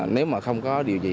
nếu mà không có điều gì